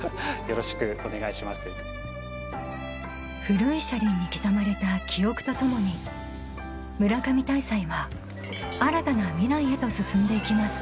古い車輪に刻まれた記憶とともに村上大祭は新たな未来へと進んで行きます